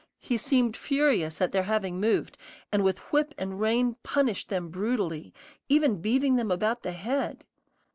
He seemed furious at their having moved, and with whip and rein punished them brutally, even beating them about the head.